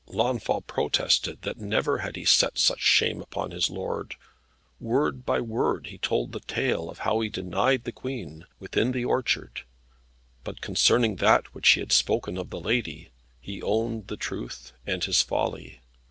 Launfal protested that never had he set such shame upon his lord. Word by word he told the tale of how he denied the Queen, within the orchard. But concerning that which he had spoken of the lady, he owned the truth, and his folly.